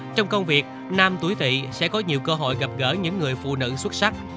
trong công việc nam tuổi thị sẽ có nhiều cơ hội gặp gỡ những người phụ nữ xuất sắc